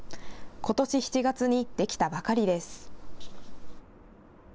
ことし７月にできたばかりです。